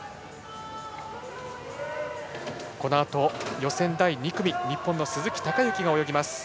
このあと予選第２組日本の鈴木孝幸が泳ぎます。